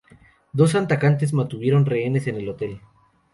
Dos atacantes mantuvieron rehenes en el hotel.